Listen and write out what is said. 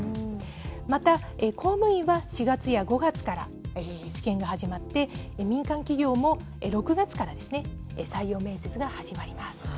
また、公務員は４月や５月から試験が始まって、民間企業も６月からですね、採用面接が始まります。